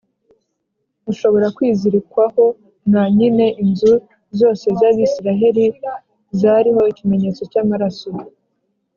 Ushobora kwizirikwaho na nyineInzu zose z'Abisiraheli zariho ikimenyetso cy'amaraso